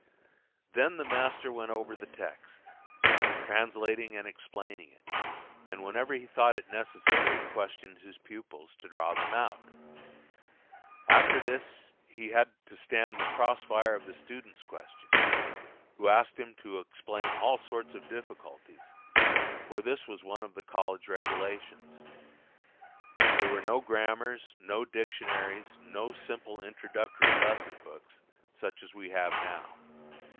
Then the master went over the text, translating and explaining it, and whenever he thought it necessary questioned his pupils, to draw them out. After this he had to stand the cross fire of the students' questions, who asked him to explain all sorts of difficulties: for this was one of the college regulations. There were no grammars, no dictionaries, no simple introductory lesson books, such as we have now.